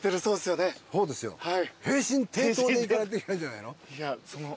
そうですよ平身低頭で行かないといけないんじゃないの？